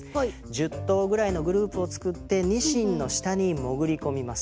１０頭ぐらいのグループを作ってニシンの下に潜り込みます。